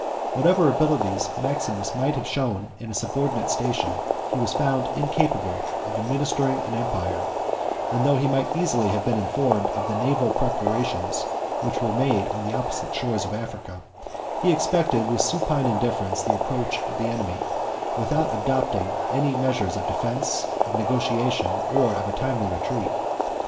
4 Whatever abilities Maximus might have shown in a subordinate station, he was found incapable of administering an empire; and though he might easily have been informed of the naval preparations which were made on the opposite shores of Africa, he expected with supine indifference the approach of the enemy, without adopting any measures of defence, of negotiation, or of a timely retreat.